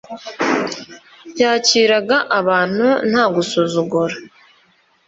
yakiraga abantu nta gusuzugura,